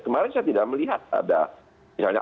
kemarin saya tidak melihat ada misalnya